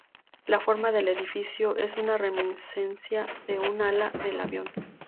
La forma del edificio es una reminiscencia de un ala de avión.